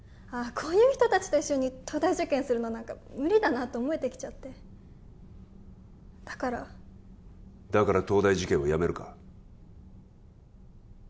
こういう人達と一緒に東大受験するのなんかムリだなと思えてきちゃってだからだから東大受験をやめるか？